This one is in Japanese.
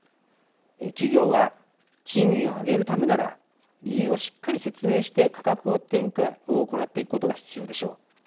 企業は賃金を上げるためなら理由をしっかり説明して価格を転嫁を行っていくことが必要でしょう。